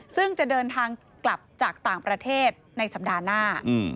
ซึ่งจะเดินทางกลับจากต่างประเทศในสัปดาห์หน้า